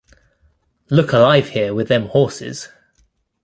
Look alive here with them horses!